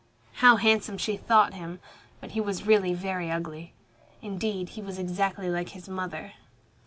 How handsome she thought him! But he was really very ugly. Indeed, he was exactly like his mother.